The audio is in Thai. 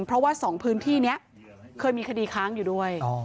เพราะว่า๒พื้นที่นี้เคยมีคดีค้างอยู่ด้วย